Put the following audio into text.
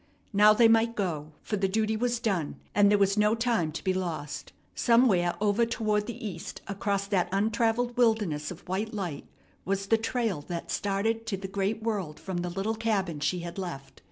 Now they might go, for the duty was done, and there was no time to be lost. Somewhere over toward the east across that untravelled wilderness of white light was the trail that started to the great world from the little cabin she had left.